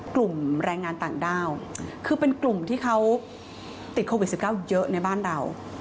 กลุ่มแรงงานต่างด้าวคือเป็นกลุ่มที่เขาติดโควิด๑๙เยอะในบ้านเรา